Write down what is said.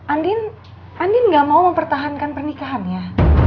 andin andin gak mau mempertahankan pernikahannya